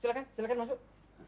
silahkan silahkan masuk